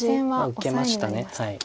受けました。